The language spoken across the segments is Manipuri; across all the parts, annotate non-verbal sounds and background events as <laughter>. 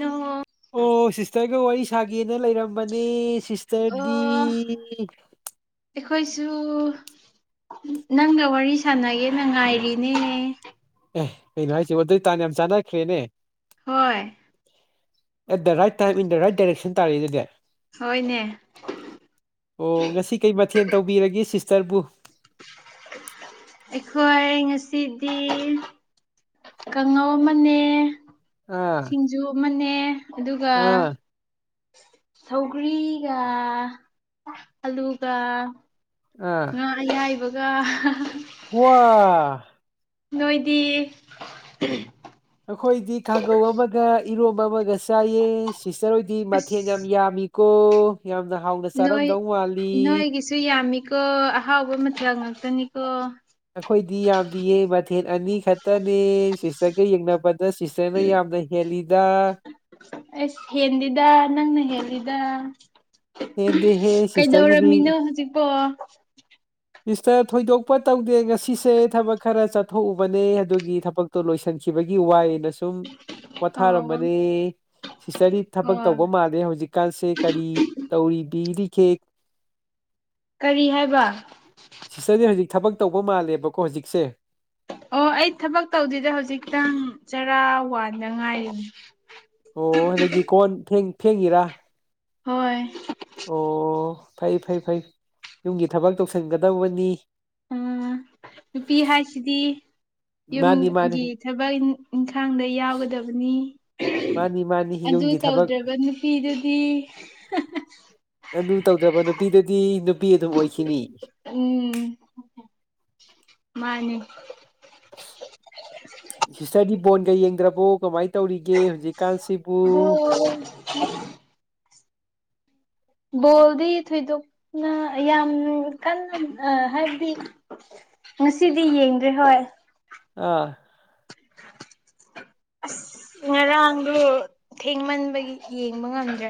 ꯅꯣ ꯑꯣ ꯁꯤꯁꯇꯔꯒ ꯋꯥꯔꯤ ꯁꯥꯒꯦꯅ ꯂꯩꯔꯝꯕꯅꯦ ꯑꯣ ꯁꯤꯁꯇꯔꯗꯤ ꯑꯩꯈꯣꯏꯁꯨ ꯅꯪꯒ ꯋꯥꯔꯤ ꯁꯥꯟꯅꯒꯦꯅ ꯉꯥꯏꯔꯤꯅꯦꯅꯦ ꯑꯦ ꯀꯩꯅꯣ ꯍꯥꯏꯁꯤꯕ ꯑꯗꯨꯏ ꯇꯥꯟ ꯌꯥꯝ ꯆꯥꯟꯅꯈ꯭ꯔꯦꯅꯦ ꯍꯣꯏ eight the right time in the right direction ꯇꯥꯔꯏꯗꯗꯤ ꯍꯣꯏꯅꯦ ꯑꯣ ꯉꯁꯤ ꯀꯩ ꯃꯊꯦꯜ ꯇꯧꯕꯤꯔꯒꯦ ꯁꯤꯁꯇꯔꯕꯨ ꯑꯩꯈꯣꯏ ꯉꯁꯤꯗꯤ ꯀꯥꯡꯉꯧ ꯑꯃꯅꯦ ꯑꯥ ꯁꯤꯡꯖꯨ ꯑꯃꯅꯦ ꯑꯗꯨꯒ ꯑꯥ ꯁꯧꯒꯔꯤꯒ ꯑꯂꯨꯒ ꯑꯥ ꯉꯥ ꯑꯌꯥꯏꯕꯒ ꯋꯥ ꯅꯣꯏꯗꯤ ꯑꯩꯈꯣꯏꯗꯤ ꯀꯥꯡꯒꯧ ꯑꯃꯒ ꯏꯔꯣꯝ ꯑꯃꯒ ꯆꯥꯏꯌꯦ ꯁꯤꯁꯇꯔ ꯍꯣꯏꯗꯤ ꯃꯊꯦꯜ ꯌꯥꯝ ꯑꯁ ꯌꯥꯝꯃꯤ ꯀꯣ ꯅꯣꯏ ꯅꯣꯏꯒꯤꯁꯨ ꯌꯥꯝꯃꯤꯀꯣ ꯑꯍꯥꯎꯕ ꯃꯊꯦꯜ ꯉꯥꯛꯇꯅꯤꯀꯣ ꯑꯩꯈꯣꯏꯗꯤ ꯌꯥꯝꯅ ꯌꯦꯡ ꯃꯊꯦꯜ ꯑꯅꯤ ꯈꯛꯇꯅꯦ ꯁꯤꯁꯇꯔꯒ ꯌꯦꯡꯅꯕꯗ ꯁꯤꯁꯇꯔꯅ ꯌꯥꯝꯅ ꯍꯦꯜꯂꯤꯗ ꯑꯁ ꯍꯦꯟꯗꯤꯗ ꯅꯪꯅ ꯍꯦꯟꯜꯂꯤꯗ ꯍꯦꯟꯗꯦꯍꯦ ꯀꯩꯗꯧꯔꯝꯃꯤꯅꯣ ꯁꯤꯁꯇꯔꯒꯤꯗꯤ ꯍꯧꯖꯤꯛꯄꯣ ꯁꯤꯁꯇꯔ ꯊꯣꯏꯗꯣꯛꯄ ꯇꯧꯗꯦ ꯉꯁꯤꯁꯦ ꯊꯕꯛ ꯈꯔ ꯆꯠꯊꯣꯛꯎꯕꯅꯦ ꯑꯗꯨꯒꯤ ꯊꯕꯛꯇꯣ ꯂꯣꯏꯁꯤꯟꯁꯤ ꯈꯤꯕꯒꯤ ꯋꯥꯏꯅ ꯁꯨꯝ ꯑꯣ ꯄꯣꯊꯥꯔꯝꯕꯅꯦ ꯁꯤꯁꯇꯔꯗꯤ ꯊꯕꯛ ꯑꯣ ꯇꯧꯕ ꯃꯥꯜꯂꯦ ꯍꯧꯖꯤꯛꯀꯥꯟꯁꯦ ꯀꯔꯤ ꯕꯤꯔꯤ ꯒꯦ ꯀꯔꯤ ꯍꯥꯏꯕ ꯁꯤꯁꯇꯔꯅꯦ ꯍꯧꯖꯤꯛ ꯊꯕꯛ ꯇꯧꯕ ꯃꯥꯜꯂꯦꯕꯀꯣ ꯍꯧꯖꯤꯛꯁꯦ ꯑꯣ ꯑꯩ ꯊꯕꯛ ꯇꯧꯗꯗ ꯍꯧꯖꯤꯛꯇꯪ ꯆꯥꯛ ꯋꯥꯗ ꯉꯥꯏꯔꯤꯅꯤ ꯑꯣ ꯑꯗꯨꯗꯒꯤ ꯀꯣꯟ ꯐꯦꯡ ꯐꯦꯡꯉꯤꯔꯥ ꯍꯣꯏ ꯑꯣ ꯐꯩ ꯐꯩ ꯐꯩ ꯌꯨꯝꯒꯤ ꯊꯕꯛ ꯇꯧꯁꯤꯟꯒꯗꯧꯕꯅꯤ ꯎꯝ ꯅꯨꯄꯤ ꯍꯥꯏꯁꯤꯗꯤ ꯃꯥꯅꯤ ꯌꯨꯝꯒꯤ ꯃꯥꯅꯤ ꯊꯕꯛ ꯏꯪꯈꯥꯡꯗ ꯌꯥꯎꯒꯗꯕꯅꯤ ꯃꯥꯅꯤ ꯃꯥꯅꯤ ꯑꯗꯨ ꯌꯨꯝꯒꯤ ꯊꯕꯛ ꯇꯧꯗ꯭ꯔꯕ ꯅꯨꯄꯤꯗꯨꯗꯤ ꯑꯗꯨ ꯇꯧꯗ꯭ꯔꯕ ꯅꯨꯄꯤꯗꯨꯗꯤ ꯗꯤ ꯅꯨꯄꯤ ꯑꯗꯨꯝ ꯑꯣꯏꯈꯤꯅꯤ ꯎꯝ ꯃꯥꯅꯤ ꯁꯤꯁꯇꯔꯗꯤ ꯕꯣꯜꯒ ꯌꯦꯡꯗ꯭ꯔꯕꯣ ꯀꯃꯥꯏꯅ ꯇꯧꯔꯤꯒꯦ ꯍꯧꯖꯤꯛꯀꯥꯟꯁꯤꯕꯨ ꯕꯣꯜ ꯕꯣꯜꯗꯤ ꯊꯣꯏꯗꯣꯛꯅ ꯌꯥꯝ ꯀꯟꯅ ꯍꯥꯏꯕꯗꯤ ꯉꯁꯤꯗꯤ ꯌꯦꯡꯗ꯭ꯔꯦ ꯍꯣꯏ ꯑꯥ <inaudible> ꯉꯔꯥꯡꯗꯨ ꯊꯦꯡꯃꯟꯕꯒꯤ ꯌꯦꯡꯕ ꯉꯝꯗ꯭ꯔꯦ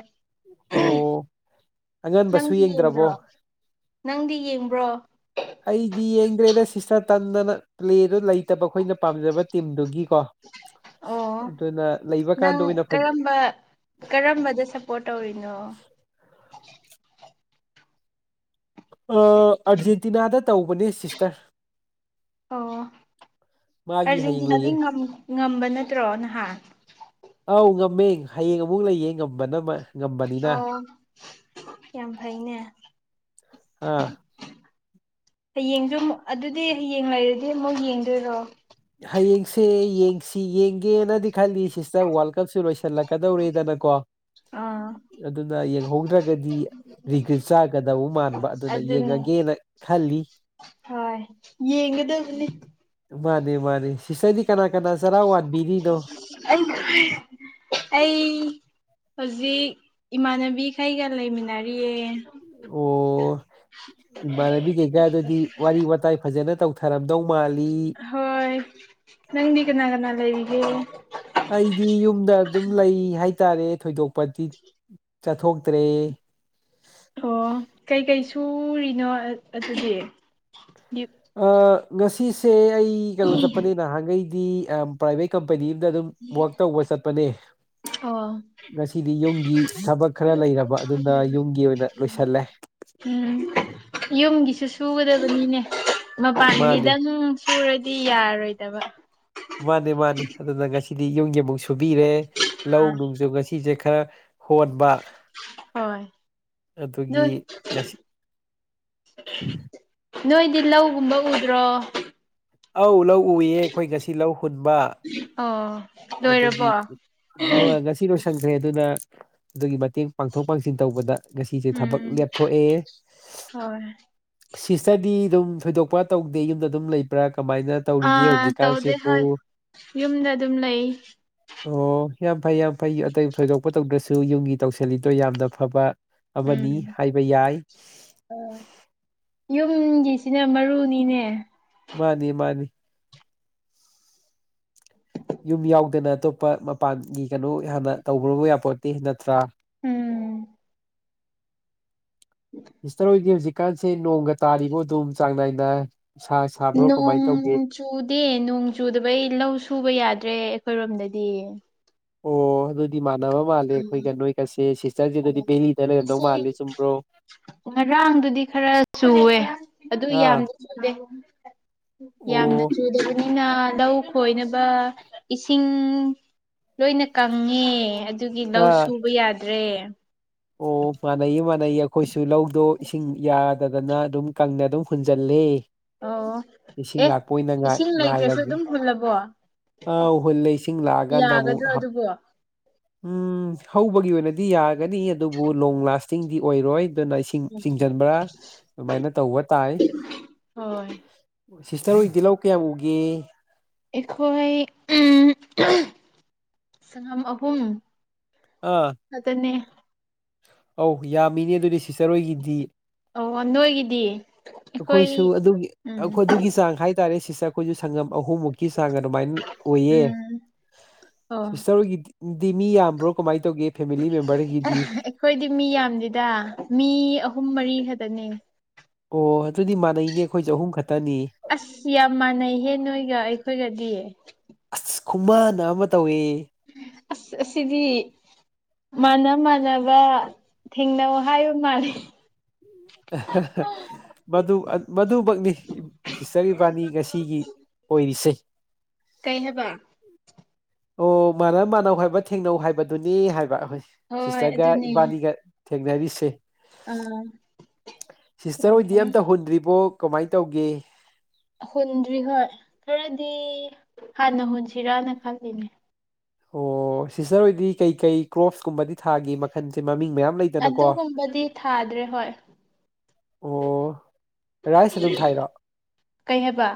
ꯑꯣ ꯑꯉꯟꯕꯁꯨ ꯅꯪꯗꯤ ꯌꯦꯡꯗ꯭ꯔꯕꯣ ꯌꯦꯡꯗ꯭ꯔꯣ ꯅꯪꯗꯤ ꯌꯦꯡꯕ꯭ꯔꯣ ꯗꯦꯗ ꯁꯤꯁꯇꯔ ꯇꯟꯗꯅ ꯄ꯭ꯂꯦꯗꯨ ꯂꯩꯇꯕ ꯑꯩꯈꯣꯏꯅ ꯄꯥꯝꯖꯕ ꯇꯤꯝꯗꯨꯒꯤꯀꯣ ꯑꯣ ꯑꯗꯨꯅ ꯂꯩꯕ ꯅꯪ ꯀꯥꯟꯗ ꯑꯣꯏꯅ ꯐꯖ ꯀꯔꯝꯕ ꯀꯔꯝꯕꯗ ꯁꯞꯄꯣꯔꯠ ꯇꯧꯔꯤꯅꯣ ꯑꯥꯔꯖꯦꯟꯇꯤꯅꯥꯗ ꯇꯧꯕꯅꯦ ꯁꯤꯁꯇꯔ ꯑꯣ ꯃꯥꯒꯤ ꯍꯌꯦꯡ ꯑꯔꯖꯦꯟꯇꯤꯅꯥꯗꯒꯤ ꯂꯩꯌꯦ ꯉꯝꯕ ꯅꯠꯇ꯭ꯔꯣ ꯅꯍꯥꯟ ꯑꯧ ꯉꯝꯃꯦ ꯍꯌꯦꯡ ꯑꯃꯨꯛ ꯂꯩꯌꯦ ꯉꯝꯕꯅ ꯑꯃ ꯑꯣ ꯌꯥꯝ ꯐꯩꯅꯦ ꯑꯥ ꯍꯌꯦꯡꯁꯨ ꯑꯗꯨꯗꯤ ꯍꯌꯦꯡ ꯂꯩꯔꯗꯤ ꯑꯃꯨꯛ ꯌꯦꯡꯗꯣꯏꯔꯣ ꯍꯌꯦꯡꯁꯦ ꯌꯦꯡꯁꯤ ꯌꯦꯡꯒꯦꯅꯗꯤ ꯈꯜꯂꯤ ꯁꯤꯁꯇꯔ ꯋꯥꯔꯜ ꯀꯞꯁꯨ ꯂꯣꯏꯁꯤ ꯂꯛꯀꯗꯧꯔꯦꯗꯅꯀꯣ ꯑꯥ ꯑꯗꯨꯅ ꯌꯦꯡꯍꯧꯗ꯭ꯔꯒꯗꯤ ꯔꯤꯒ꯭ꯔꯤꯠ ꯆꯥꯒꯗꯕ ꯃꯥꯟꯕ ꯑꯗꯨꯅ ꯑꯗꯨꯅꯤ ꯌꯦꯡꯉꯒꯦꯅ ꯈꯜꯂꯤ ꯍꯣꯏ ꯌꯦꯡꯉꯗꯅꯤ ꯃꯥꯅꯤ ꯁꯤꯁꯇꯔꯗꯤ ꯀꯅꯥ ꯀꯅꯥ ꯆꯔꯥꯋꯥꯟ ꯑꯩ ꯑꯩ ꯍꯧꯖꯤꯛ ꯏꯃꯥꯟꯅꯕꯤꯈꯩꯒ ꯂꯩꯃꯤꯟꯅꯔꯤꯌꯦ ꯑꯣ ꯏꯃꯥꯟꯅꯕꯤ ꯀꯩꯀꯥꯗꯨꯗꯤ ꯋꯥꯔꯤ ꯋꯥꯇꯥꯏ ꯐꯖꯅ ꯇꯧꯊꯔꯝꯗꯧ ꯃꯥꯜꯂꯤ ꯍꯣꯏ ꯅꯪꯗꯤ ꯀꯅꯥ ꯀꯅꯥ ꯂꯩꯔꯤꯒꯦ ꯑꯩꯗꯤ ꯌꯨꯝꯗ ꯑꯗꯨꯝ ꯂꯩ ꯍꯥꯏꯇꯥꯔꯦ ꯊꯣꯏꯗꯣꯛꯄꯗꯤ ꯆꯠꯊꯣꯛꯇ꯭ꯔꯦ ꯑꯣ ꯀꯩꯀꯩ ꯁꯨꯔꯤꯅꯣ ꯑꯗꯨꯗꯤ ꯉꯁꯤꯁꯦ ꯑꯩ ꯀꯩꯅꯣ ꯆꯠꯄꯅꯤ ꯅꯍꯥꯟꯒꯩꯗꯤ ꯄ꯭ꯔꯥꯏꯚꯦꯠ ꯀꯝ ꯄꯅꯤ ꯑꯝꯗ ꯑꯗꯨꯝ ꯋꯥꯛ ꯇꯧꯕ ꯆꯠꯄꯅꯦ ꯑꯣ ꯉꯁꯤꯗꯤ ꯌꯨꯝꯒꯤ ꯊꯕꯛ ꯈꯔ ꯂꯩꯔꯕ ꯑꯗꯨꯅ ꯌꯨꯝꯒꯤ ꯑꯣꯏꯅ ꯂꯣꯏꯁꯤꯜꯂꯦ ꯎꯝ ꯌꯨꯝꯒꯤꯁꯨ ꯁꯨꯒꯗꯕꯅꯤꯅꯦ ꯃꯥꯅꯦ ꯃꯄꯥꯟꯒꯤꯗꯪ ꯁꯨꯔꯗꯤ ꯌꯥꯔꯣꯏꯗꯕ ꯃꯥꯅꯦ ꯃꯥꯅꯦ ꯑꯗꯨꯅ ꯉꯁꯤꯗꯤ ꯌꯨꯝꯒꯤ ꯑꯃꯨꯛ ꯁꯨꯕꯤꯔꯦ ꯂꯧ ꯅꯨꯡꯁꯨ ꯉꯁꯤꯁꯦ ꯈꯔ ꯍꯣꯠꯕ ꯍꯣꯏ ꯑꯗꯨ ꯑꯗꯨꯒꯤ ꯉꯁꯤ ꯅꯣꯏꯗꯤ ꯂꯧꯒꯨꯝꯕ ꯎꯗ꯭ꯔꯣ ꯑ ꯂꯧ ꯎꯌꯦ ꯑꯩꯈꯣꯏ ꯉꯁꯤ ꯂꯧ ꯍꯨꯟꯕ ꯑꯣ ꯑꯗꯨꯒꯤ ꯂꯣꯏꯔꯕꯣ ꯉꯁꯤ ꯂꯣꯏ ꯁꯪꯈ꯭ꯔꯦ ꯑꯗꯨꯅ ꯑꯗꯨꯒꯤ ꯃꯇꯦꯡ ꯄꯥꯡꯊꯣꯛ ꯄꯥꯡꯁꯤꯟ ꯇꯧꯕꯗ ꯉꯁꯤꯁꯦ ꯊꯕꯛ ꯎꯝ ꯂꯦꯞꯊꯣꯛꯑꯦ ꯍꯣꯏ ꯁꯤꯁꯇꯔꯗꯤ ꯑꯗꯨꯝ ꯊꯣꯏꯗꯣꯛꯄ ꯇꯧꯗꯦ ꯌꯨꯝꯗ ꯑꯗꯨꯝ ꯂꯩꯕ꯭ꯔꯥ ꯀꯃꯥꯏꯅ ꯇꯧꯔꯤꯒꯦ ꯑꯥ ꯇꯧꯗꯦ ꯍꯧꯖꯤꯛꯀꯥꯟꯁꯤꯕꯨ ꯍꯣꯏ ꯌꯨꯝꯗ ꯑꯗꯨꯝ ꯂꯩ ꯑꯣ ꯌꯥꯝ ꯐꯩ ꯌꯥꯝ ꯐꯩ ꯑ ꯊꯣꯏꯗꯣꯛꯄ ꯇꯧꯗ꯭ꯔꯁꯨ ꯌꯨꯝꯒꯤ ꯇꯧꯁꯤꯜꯂꯤꯗꯣ ꯌꯥꯝꯅ ꯐꯕ ꯑꯃꯅꯤ ꯎꯝ ꯍꯥꯏꯕ ꯌꯥꯏ ꯎꯨꯝꯒꯤꯁꯤꯅꯦ ꯃꯔꯨꯅꯤꯅꯦ ꯃꯥꯅꯤ ꯃꯥꯅꯤ ꯌꯨꯝ ꯌꯥꯎꯗꯅ ꯑꯇꯣꯞꯄ ꯃꯄꯥꯟꯒꯤ ꯀꯩꯅꯣ ꯍꯥꯟꯅ ꯇꯧꯕ꯭ꯔꯕ ꯌꯥꯄꯣꯠꯇꯤ ꯅꯠꯇ꯭ꯔꯥ ꯎꯝ <inaudible> ꯏꯁꯇꯔ ꯑꯣꯏꯗꯤ ꯍꯧꯖꯤꯛꯀꯥꯟꯁꯦ ꯅꯣꯡꯒ ꯇꯥꯔꯤꯔꯤꯕꯣ ꯑꯗꯨꯝ ꯆꯥꯡ ꯅꯥꯏꯅꯏ ꯅꯣꯡ ꯆꯨꯗꯦ ꯅꯣꯡ ꯆꯨꯗꯕ ꯑꯩ ꯂꯧ ꯁꯨꯕ ꯌꯥꯗꯦ ꯠꯇ꯭ꯔꯦ ꯑꯩꯈꯣꯏꯔꯣꯝꯗꯗꯤ ꯑꯣ ꯑꯗꯨꯗꯤ ꯃꯥ ꯁꯥꯟꯅꯕ ꯃꯥꯜꯂꯦ ꯎꯝ ꯑꯩꯈꯣꯏꯒ ꯅꯣꯏꯒꯁꯦ ꯁꯤꯁꯇꯔꯁꯤꯗꯗꯤ ꯕꯦꯂꯤꯗꯅ ꯂꯩꯔꯝꯗꯧ ꯏꯆꯦ ꯃꯥꯂꯦ ꯆꯨꯝꯕ꯭ꯔꯣ ꯉꯔꯥꯡꯗꯨꯗꯤ ꯈꯔ ꯆꯨꯋꯦ ꯑꯗꯨ ꯑꯥ ꯌꯥꯝꯗꯤ ꯆꯨꯗꯦ ꯌꯥꯝꯅ ꯑꯣ ꯆꯨꯗꯕꯅꯤꯅ ꯂꯧ ꯈꯣꯏꯅꯕ ꯏꯁꯤꯡ ꯂꯣꯏꯅ ꯀꯪꯉꯦ ꯑꯗꯨꯒꯤ ꯂꯧ ꯑꯥ ꯁꯨꯕ ꯌꯥꯗ꯭ꯔꯦ ꯑꯣ ꯃꯅꯩꯌꯦ ꯃꯥꯟꯅꯩꯌꯦ ꯑꯩꯈꯣꯏꯁꯨ ꯂꯧꯗꯣ ꯏꯁꯤꯡ ꯌꯥꯗꯅ ꯐꯅ ꯑꯗꯨꯝ ꯀꯪꯅ ꯑꯗꯨꯝ ꯍꯨꯟꯖꯜꯂꯤ ꯑꯣ ꯏꯁꯤꯡ ꯑꯦ ꯂꯥꯛꯄ ꯑꯣꯏꯅ ꯏꯁꯤꯡ ꯂꯩꯇ꯭ꯔꯁꯨ ꯉꯥꯏꯔꯒꯦ ꯑꯗꯨꯝ ꯍꯨꯜꯂꯕꯣ ꯑ ꯎꯍꯨꯜꯂ ꯏꯁꯤꯡ ꯂꯥꯛꯑꯀꯥꯟꯗ ꯑꯃꯨꯛ ꯌꯥꯒꯗ꯭ꯔꯣ ꯑꯗꯨꯕꯣ ꯎꯝ ꯍꯧꯕꯒꯤ ꯑꯣꯏꯅꯗꯤ ꯌꯥꯒꯅꯤ ꯑꯗꯨꯕꯨ ꯂꯣꯡ ꯂꯥꯁꯇꯤꯡꯗꯤ ꯑꯣꯏꯔꯣꯏ ꯑꯗꯨꯅꯁꯤꯡ ꯆꯤꯡꯁꯤꯟꯕ꯭ꯔꯥ ꯑꯗꯨꯃꯥꯏꯅ ꯇꯧꯕ ꯇꯥꯏ ꯍꯣꯏ ꯁꯤꯁꯇꯔ ꯍꯗꯤꯤꯍ ꯀꯌꯥ ꯎꯒꯦ ꯑꯩꯈꯣꯏ ꯎꯝ ꯁꯝꯒꯝ ꯑꯍꯨꯝ ꯑꯥ ꯑꯗꯨꯅꯦ ꯑꯧ ꯌꯥꯝꯃꯤꯅꯦ ꯑꯗꯨꯗꯤ ꯁꯤꯆꯔꯣꯏꯒꯤꯗꯤ ꯑꯣ ꯅꯣꯏꯒꯤꯗꯤ ꯑꯩꯈꯣꯏ ꯑꯩꯈꯣꯏꯁꯨ ꯑꯗꯨꯒꯤ ꯎꯝ ꯑꯩꯈꯣꯏ ꯑꯗꯨꯒꯤ ꯆꯥꯡ ꯍꯥꯏꯇꯥꯔꯦ ꯁꯤꯁ ꯑꯩꯈꯣꯏꯁꯨ ꯁꯪꯉꯝ ꯑꯍꯨꯝꯃꯨꯛꯀꯤ ꯆꯥꯡ ꯑꯗꯨꯃꯥꯏꯅ ꯑꯣꯏꯌꯦ ꯎꯝ ꯑꯣ ꯁꯤꯁꯇꯔꯒꯤꯗꯤ ꯗꯤ ꯃꯤ ꯌꯥꯝꯕ꯭ꯔꯣ ꯀꯃꯥꯏꯅ ꯇꯧꯒꯦ ꯐꯦꯃꯤꯂꯤ ꯃꯦꯝꯕꯔꯒꯤꯗꯤ ꯑꯩꯈꯣꯏꯗꯤ ꯃꯤ ꯌꯥꯝꯗꯦꯗ ꯃꯤ ꯑꯍꯨꯝ ꯃꯔꯤ ꯇꯅꯤ ꯑꯣ ꯑꯗꯨꯗꯤ ꯃꯥꯟꯅꯩꯅꯦ ꯑꯩꯈꯣꯏꯁꯨ ꯑꯍꯨꯝ ꯈꯛꯇꯅꯤ ꯑꯁ ꯌꯥꯝ ꯃꯥꯟꯅꯩꯍꯦ ꯅꯣꯏꯒ ꯑꯩꯈꯣꯏꯒꯗꯤ ꯑꯁ ꯈꯨꯃꯅ ꯑꯃ ꯇꯧꯏ ꯑꯁ ꯑꯁꯤꯗꯤ ꯃꯥꯥꯟꯅ ꯃꯥꯟꯅꯕ ꯊꯦꯡꯅꯧ ꯍꯥꯏꯕ ꯃꯥꯂꯦ ꯃꯗꯨꯃꯛꯅꯤ ꯍꯤꯁꯇ ꯏꯕꯥꯅꯤ ꯉꯁꯤꯒꯤ ꯑꯣꯏꯔꯤꯁꯦ ꯀꯩꯍꯕ ꯑꯣ ꯃꯥꯅꯕ ꯃꯥꯟꯅꯧ ꯍꯥꯏꯕ ꯊꯦꯡꯅꯧ ꯍꯥꯏꯕꯗꯨꯅꯤ ꯍꯥꯏꯕ ꯑꯩꯏ ꯍꯣꯏ ꯁꯤꯁꯇꯔꯒ ꯑꯗꯨꯅꯦ ꯏꯕꯥꯅꯤꯒ ꯊꯦꯡꯅꯔꯤꯁꯦ ꯑꯥ ꯁꯤꯁꯇꯔ ꯌꯥꯝ ꯍꫭꯏꯗꯤ ꯐꯩ ꯑꯝꯇ ꯍꯨꯟꯗ꯭ꯔꯤꯕꯣ ꯀꯃꯥꯏꯅ ꯇꯧꯒꯦ ꯍꯨꯟꯗ꯭ꯔꯤ ꯍꯣꯏ ꯈꯔꯗꯤ ꯍꯥꯟꯅ ꯍꯨꯟꯁꯤꯔꯅ ꯈꯜꯂꯤꯅꯦ ꯑꯣ ꯁꯤꯁꯇꯔ ꯍꯣꯏꯗꯤ ꯀꯩꯀꯩ ꯀ꯭ꯔꯣꯞꯁꯀꯨꯝꯕꯗꯤ ꯊꯥꯒꯤ ꯃꯈꯜꯁꯦ ꯃꯃꯤꯡ ꯃꯌꯥꯝ ꯂꯩꯗꯅꯀꯣ ꯑꯗꯨꯒꯨꯝꯕꯗꯤ ꯊꯥꯗ꯭ꯔꯦ ꯍꯣꯏ ꯑꯣ ꯔꯥꯏꯁ ꯑꯗꯨꯨꯝ ꯊꯥꯏꯔꯣ ꯀꯩ ꯍꯥꯏꯕ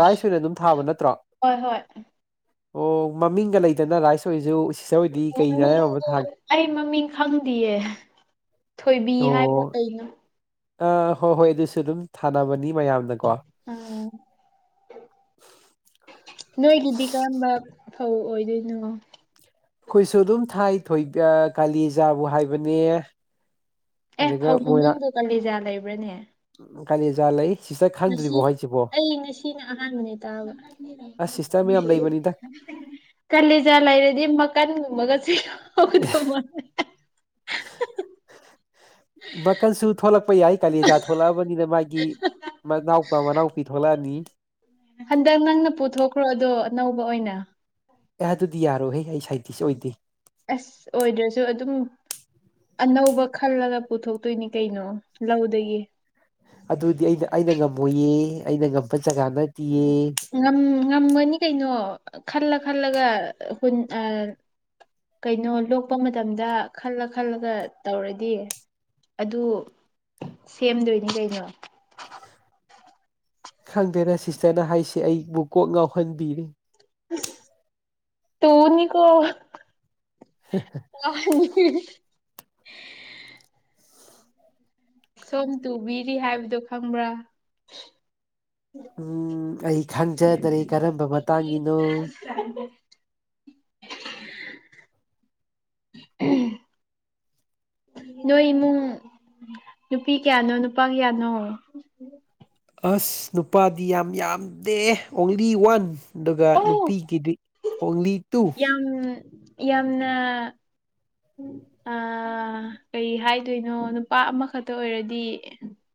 ꯔꯥꯏꯁ ꯑꯣꯏꯅ ꯑꯗꯨꯝ ꯊꯥꯕ ꯅꯠꯇ꯭ꯔꯣ ꯍꯣꯏ ꯍꯣꯏ ꯑꯣ ꯃꯃꯤꯡꯒ ꯂꯩꯗꯅ ꯔꯥꯏꯁ ꯑꯣꯏꯁꯨ ꯁꯤꯁꯇꯔ ꯍꯣꯏꯗꯤ ꯀꯩꯅ ꯃꯤꯡ ꯑꯌꯥꯝꯕ ꯊꯥꯒꯦ ꯑꯩ ꯃꯃꯤꯡ ꯈꯪꯗꯤꯌꯦ ꯊꯣꯏꯕꯤ ꯑꯣ ꯍꯥꯏꯕ꯭ꯔꯥ ꯀꯩꯅꯣ ꯑ ꯍꯣꯏ ꯍꯣꯏ ꯑꯗꯨꯁꯨ ꯑꯗꯨꯝ ꯊꯥꯅꯕꯅꯤ ꯃ ꯌꯥꯗꯀꯣ ꯑꯥ ꯅꯣꯏꯒꯤꯗꯤ ꯀꯔꯝꯕ ꯐꯧ ꯑꯣꯏꯗꯣꯏꯅꯣ ꯑꯩꯈꯣꯏꯁꯨ ꯑꯗꯨꯝ ꯊꯥꯏ ꯊꯣꯏ ꯀꯥꯂꯤꯖꯥꯕꯨ ꯍꯥꯏꯕꯅꯦ ꯑꯦ ꯐꯧ ꯃꯃꯤꯡꯗꯣ ꯀꯂꯤꯖꯥ ꯂꯩꯕ꯭ꯔꯅꯦ ꯀꯜꯂꯤꯖꯥ ꯂꯩ ꯁꯤꯁꯇꯔ ꯈꯥꯟꯗꯔꯤꯕꫭ ꯍꯥꯏꯁꯤꯕꯨ ꯑꯩ ꯉꯁꯤꯅ ꯑꯍꯥꯟꯕꯅꯦ ꯇꯥꯕ ꯑꯁ ꯁꯤꯁꯇꯔ ꯃꯌꯥꯝ ꯂꯩꯕꯅꯤꯗ ꯀꯂꯖꯠ ꯂꯩꯔꯗꯤ ꯃꯀꯟꯒꯨꯝꯃꯒꯁꯨ ꯌꯥꯗꯧ ꯃꯥ ꯃꯀꯟꯁꯨ ꯊꯣꯛꯂꯛ ꯀꯛꯄ ꯌꯥꯏ ꯀꯥꯂꯦꯖꯥ ꯊꯣꯛꯂꯛꯑꯕꯅꯤꯅ ꯃꯥꯒꯤ ꯃꯅꯥꯎꯄꯥ ꯃꯅꯥꯎꯄꯤ ꯊꯣꯛꯂꯛꯑꯅꯤ ꯍꯟꯗꯛ ꯅꯪꯅ ꯄꯨꯊꯣꯛꯈ꯭ꯔꯣ ꯑꯗꯣ ꯑꯅꯧꯕ ꯑꯣꯏꯅ ꯑꯦ ꯑꯗꯨꯗꯤ ꯌꯥꯔꯣꯍꯦ ꯑꯩ ꯁꯥꯏꯠꯇꯤꯁ ꯑꯣꯏꯗꯦ ꯑꯁ ꯑꯣꯏꯗ꯭ꯔꯁꯨ ꯑꯗꯨꯝ ꯑꯅꯧꯕ ꯈꯜꯂꯒ ꯄꯨꯊꯣꯛꯇꯣꯏꯅꯤ ꯀꯩꯅꯣ ꯂꯧꯗꯒꯤ ꯑꯗꯨꯗꯤ ꯑꯩꯅ ꯑꯩꯅ ꯉꯝꯃꯣꯏꯌꯦ ꯑꯩꯅ ꯉ ꯉꯝꯃꯅꯤ ꯀꯩꯅꯣ ꯈꯜꯂ ꯈꯜꯂꯒ ꯍꯟ ꯑ ꯀꯩꯅꯣ ꯂꯣꯛꯄ ꯃꯇꯝꯗ ꯈꯜꯂ ꯈꯜꯂꯒ ꯇꯧꯔꯗꯤ ꯑꯗꯨ ꯁꯦꯝꯗꯣꯏꯅꯤ ꯀꯩꯅꯣ ꯈꯪꯗꯦꯅ ꯁꯤꯁꯇꯔꯅ ꯍꯥꯏꯁꯤꯦ ꯑꯩꯕꯨ ꯀꯣꯛ ꯉꯥꯎꯍꯟꯕꯤꯔꯤ ꯇꯨꯅꯤ ꯀꯣ ꯀ <unintelligible> ꯁꯣꯝ ꯇꯨꯕꯤꯔꯤ ꯍꯥꯏꯕꯗꯣ ꯈꯪꯕ꯭ꯔꯥ ꯎꯝ ꯑꯩ ꯈꯪꯖꯗ꯭ꯔꯦ ꯀꯔꯝꯕ ꯃꯇꯥꯡꯒꯤꯅꯣ ꯅꯣꯏ ꯏꯃꯨꯡ ꯅꯨꯄꯤ ꯀꯌꯥꯅꯣ ꯅꯨꯄꯥ ꯀꯌꯥꯅꯣ ꯑꯁ ꯅꯨꯄꯥꯗꯤ ꯌꯥꯝ ꯌꯥꯝꯗꯦ ꯑꯣꯡꯂꯤ ꯋꯥꯟ ꯑꯗꯨꯒ ꯑꯣ ꯅꯨꯄꯤꯒꯤꯗꯤ ꯑꯣꯡꯂꯤ ꯇꯨ ꯌꯥꯝ ꯌꯥꯝꯅ ꯑ ꯀꯩ ꯍꯥꯏꯗꯣꯏꯅꯣ ꯅꯨꯄꯥ ꯑꯃꯈꯛꯇ ꯑꯣꯏꯔꯗꯤ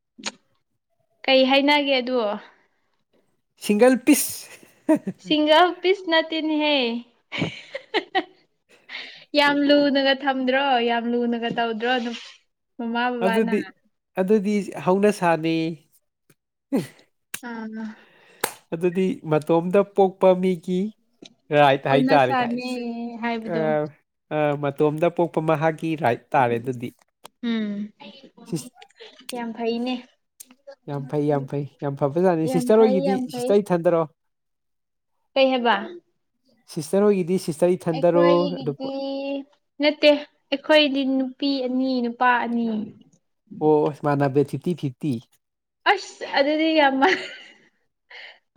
<unintelligible> ꯀꯩ ꯍꯥꯏꯅꯒꯦ ꯑꯗꯣ ꯁꯤꯡꯒꯜ ꯄꯤꯁ ꯁꯤꯁꯤꯡꯒꯥ ꯄꯤꯁ ꯅꯠꯇꯅꯍꯦ ꯌꯥꯝ ꯂꯨꯅꯒ ꯊꯝꯗ꯭ꯔꯣ ꯌꯥꯝ ꯂꯨꯅꯒ ꯇꯧꯗ꯭ꯔꯣ ꯑꯗꯨꯝ ꯑꯗꯨꯗꯤ ꯑꯗꯨꯗꯤ ꯍꯧꯅ ꯁꯥꯥꯅꯤ ꯑ ꯑꯗꯨꯗꯤ ꯃꯇꯣꯝꯗ ꯄꯣꯛꯄ ꯃꯤꯒꯤ ꯔꯥꯏꯠ ꯍꯧꯅ ꯍꯥꯏꯇꯥꯔꯦ ꯀꯥꯏ ꯁꯥꯅꯦ ꯍꯥꯏꯕꯗꯣ ꯃꯇꯣꯝꯗ ꯄꯣꯛꯄ ꯃꯍꯥꯛꯀꯤ ꯔꯥꯏꯠ ꯇꯥꯔꯦ ꯑꯗꯨꯗꯤ ꯎꯝ ꯌꯥꯝ ꯐꯩꯅꯦ ꯌꯥꯝ ꯐꯩ ꯌꯥꯝ ꯐꯩ ꯌꯥꯝ ꯐꯕꯖꯥꯠꯅꯤ ꯌꯥꯝ ꯁꯤꯁꯇꯔ ꯐꯩ ꯍꯣꯏꯒꯤꯗꯤ ꯁꯤꯁꯇꯔ ꯏꯊꯟꯗꯔꯣ ꯀꯩꯍꯥꯏꯕ ꯁꯤꯁꯇꯔ ꯍꯣꯏꯒꯤꯗꯤ ꯁꯤꯁ ꯑꯩꯈꯣꯏꯒꯤꯗꯤ ꯅꯠꯇꯦ ꯑꯩꯈꯣꯏꯗꯤ ꯅꯨꯄꯤ ꯑꯅꯤ ꯅꯨꯞ ꯑꯣ ꯃꯥꯅꯕ ꯐꯤꯞꯇꯤ ꯐꯤꯞꯇꯤ꯫ ꯑꯁ ꯑꯗꯨꯗꯤ ꯌꯥꯝꯃ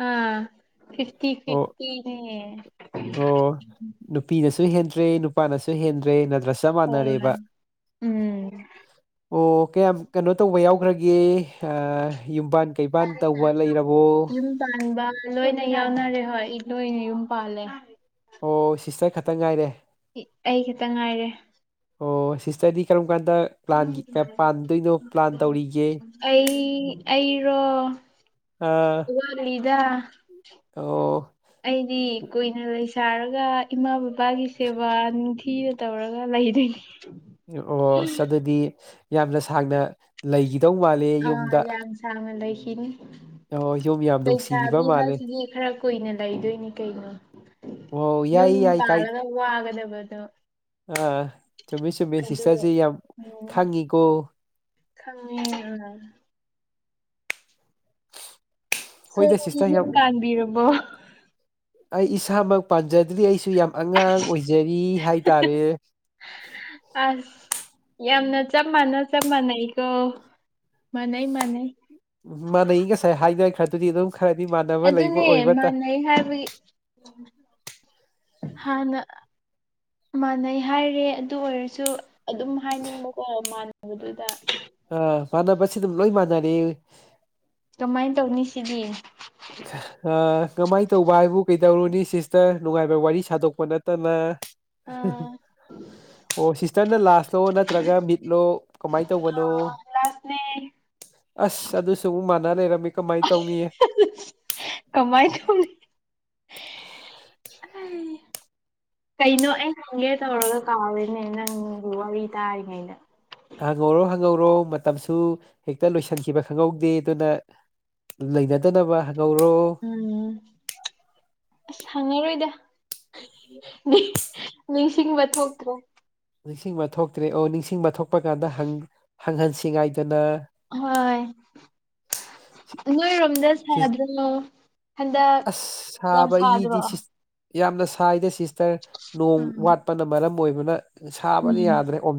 ꯑꯥ ꯐꯤꯞꯇꯤ ꯑꯣ ꯐꯤꯞꯇꯤꯅꯦ꯫ ꯁꯨ ꯍꯦꯟꯗ꯭ꯔꯦ ꯅꯨꯄꯥꯅꯁꯨ ꯍꯦꯟꯗ꯭ꯔꯦ ꯅꯠꯇ꯭ꯔꯥ ꯆꯞ ꯍꯣꯏ ꯃꯥꯅꯔꯦꯕ ꯎꯝ ꯑꯣ ꯀꯌꯥꯝ ꯀꯩꯅꯣ ꯇꯧꯕ ꯌꯥꯎꯈ꯭ꯔꯒꯦ ꯑ ꯌꯨꯝꯕꯥꯟ ꯀꯩꯕꯥꯥꯟ ꯇꯧꯕ ꯂꯩꯔꯕꯣ ꯌꯨꯝ ꯄꯥꯟꯕ ꯂꯣꯏꯅ ꯌꯥꯎꯅꯔꯦ ꯍꯣꯏ ꯏꯅꯣꯏꯅ ꯌꯨꯝ ꯄꯥꯜꯂꯦ꯫ ꯑꯣ ꯁꯤꯁꯇꯔ ꯈꯛꯇꯪ ꯉꯥꯏꯔꯦ꯫ ꯑꯩ ꯈꯇ ꯉꯥꯏꯔꯦ꯫ ꯑꯣ ꯁꯤꯁꯇꯔꯗꯤ ꯀꯔꯝ ꯀꯥꯟꯗ ꯄ꯭ꯂꯥꯟꯒꯤ ꯑ-ꯄꯥꯟꯗꯣꯏꯅꯣ ꯄ꯭ꯂꯥꯟ ꯇꯧꯔꯤꯒꯦ ꯑꯩ ꯑꯩꯔꯣ ꯑꯥ ꯗꯥ ꯑꯣ ꯑꯩꯗꯤ ꯀꯨꯏꯅ ꯂꯩꯁꯔꯒ ꯏꯃꯥ ꯕꯕꯥꯒꯤ ꯁꯦꯕꯥ ꯅꯤꯡꯊꯤ ꯊꯤꯅ ꯇꯧꯔꯒ ꯂꯩꯗꯣꯏꯅꯤ꯫ ꯑꯣꯁ ꯑꯗꯨꯗꯤ ꯌꯥꯝꯅ ꯁꯥꯡꯅ ꯂꯩꯒꯤꯕ ꯗꯧ ꯃꯥꯜꯂꯦ ꯑꯥ ꯌꯨꯝꯗ꯫ ꯌꯥꯝ ꯁꯥꯡꯅ ꯂꯩꯈꯤꯅꯤ ꯑꯣ ꯌꯨꯝ ꯌꯥꯝ ꯅꯨꯡꯁꯤꯕꯤꯕ ꯂꯩꯁꯥꯕꯤ ꯃꯥꯜꯂꯦ ꯍꯥꯏꯁꯤꯗꯤ ꯈꯔ ꯀꯨꯏꯅ ꯂꯩꯗꯣꯏꯅꯤ ꯀꯩꯅꯣ꯫ ꯑꯣ ꯌꯥꯏ ꯌꯨꯝ ꯌꯥꯏ ꯀꯥꯏ ꯄꯥꯜꯂꯒ ꯋꯥꯒꯗꯕꯗꯣ꯫ ꯑꯥ ꯆꯨꯝꯃꯦ ꯆꯨꯝꯃꯦ ꯑꯗꯨ ꯁꯤꯁꯇꯔꯖꯦ ꯌꯥꯝ ꯎꯝ ꯈꯪꯉꯤꯀꯣ꯫ ꯈꯪꯉꯦ ꯑ ꯍꯣꯏꯗ ꯁꯣꯝꯗꯤ ꯁꯤꯁꯇꯔ ꯌꯨꯝ ꯌꯥꯝ ꯄꯥꯟꯕꯤꯔꯕꯣ꯫ ꯑꯩ ꯏꯁꯥꯃꯛ ꯄꯥꯟꯖꯗ꯭ꯔꯤ ꯑꯩꯁꯨ ꯁꯨ ꯌꯥꯝ ꯑꯉꯥꯡ ꯑꯣꯏꯖꯔꯤ ꯍꯥꯏꯇꯥꯔꯦ꯫ ꯑꯁ ꯌꯥꯝꯅ ꯆꯞ ꯃꯥꯟꯅ ꯆꯞ ꯃꯥꯟꯅꯩꯀꯣ ꯃꯥꯟꯅꯩ ꯃꯥꯟꯅꯩ꯫ ꯎꯝ ꯃꯥꯥꯟꯅꯩ ꯉꯁꯥꯏ ꯍꯥꯏꯅꯈ꯭ꯔꯗꯨꯗꯤ ꯑꯗꯨꯝ ꯈꯔꯗꯤ ꯃꯥꯟꯅꯕ ꯂꯩꯕ ꯑꯗꯨꯅꯦ ꯑꯣꯏꯕꯇ ꯃꯥꯟꯅꯩ ꯍꯥꯏꯕꯒꯤ ꯍꯥꯟꯅ ꯃꯥꯟꯅꯩ ꯍꯥꯏꯔꯦ ꯑꯗꯨ ꯑꯣꯏꯔꯁꯨ ꯑꯗꯨꯝ ꯍꯥꯏꯅꯤꯡꯕꯀꯣ ꯃꯥꯟꯅꯕꯗꯨꯗ꯫ ꯑꯥ ꯃꯥꯟꯅꯕꯁꯤ ꯑꯗꯨꯝ ꯂꯣꯏ ꯃꯥꯟꯅꯔꯦ꯫ ꯀꯃꯥꯏꯟ ꯇꯧꯅꯤ ꯁꯤꯗꯤ꯫ ꯑ-ꯀꯃꯥꯏꯟ ꯇꯧꯕ ꯍꯥꯏꯕꯨ ꯀꯩ ꯀꯩꯗꯧꯔꯨꯅꯤ ꯁꯤꯁꯇꯔ ꯅꯨꯡꯉꯥꯏꯕ ꯋꯥꯔꯤ ꯁꯥꯗꯣꯛꯄ ꯅꯠꯇꯅ꯫ ꯑꯥ ꯑꯣ ꯁꯤꯁꯇꯔꯅ ꯂꯥꯁꯂꯣ ꯅꯠꯇ꯭ꯔꯒ ꯃꯤꯗꯂꯣ ꯑ ꯂꯥꯁꯅꯦ ꯑꯁ ꯑꯗꯨꯁꯨ ꯑꯃꯨꯛ ꯃꯥꯟꯅ ꯂꯩꯔꯝꯃꯦ ꯀꯃꯥꯏꯟ ꯇꯧꯅꯤ꯫ ꯀꯃꯥꯏꯟ ꯇꯧꯅꯤ꯫ ꯀꯩꯅꯣ ꯑꯩ ꯍꯪꯒꯦ ꯇꯧꯔꯒ ꯀꯥꯎꯔꯦꯅꯦ ꯅꯪꯒꯤ ꯋꯥꯔꯤ ꯇꯥꯔꯤꯉꯩꯗ꯫ ꯍꯪꯍꯧꯔꯣ ꯍꯪꯍꯧꯔꯣ ꯃꯇꯝꯁꯨ ꯍꯦꯛꯇ ꯂꯣꯏꯁꯤꯟꯈꯤꯕ ꯈꯪꯍꯧꯗꯦ ꯑꯗꯨꯅ ꯂꯩꯅꯗꯅꯕ꯫ ꯉꯧꯔꯣ ꯎꯝ ꯑꯁ ꯍꯪꯉꯔꯣꯏꯗ ꯅꯤ-ꯅꯤꯡꯁꯤꯡꯕ ꯊꯣꯛꯇ꯭ꯔꯦ꯫ ꯅꯤꯡꯁꯤꯡꯕ ꯊꯣꯛꯇ꯭ꯔꯦ ꯑꯣ ꯅꯤꯡꯁꯤꯡꯕ ꯊꯣꯛꯄ ꯀꯥꯟꯗ ꯍꯪꯍꯟꯁꯤꯉꯥꯏ ꯍꯣꯏ ꯅꯣꯏꯔꯣꯝꯗ ꯁꯥꯗ꯭ꯔꯣ ꯍꯟꯗꯛ ꯑꯁ ꯌꯥꯝ ꯁꯥꯕꯒꯤꯗꯤ ꯁꯥꯗ꯭ꯔꯣ ꯁꯤꯁ ꯌꯥꯝꯅ ꯁꯥꯏꯗꯦ ꯁꯤꯁꯇꯔ ꯅꯣꯡ ꯎꯝ ꯋꯥꯠꯄꯅ ꯃꯔꯝ ꯑꯣꯏꯕꯅ ꯁꯥꯕꯅ ꯎꯝ ꯌꯥꯗ꯭ꯔꯦ ꯑꯣꯝ